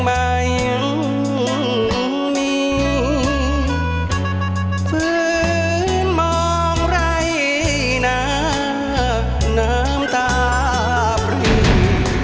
แต่ยังมีฝืนมองไร้น้ำน้ำตาปลืน